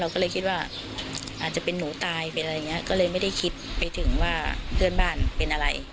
ก็เลยคิดว่าอาจจะเป็นหนูตายเป็นอะไรอย่างนี้ก็เลยไม่ได้คิดไปถึงว่าเพื่อนบ้านเป็นอะไร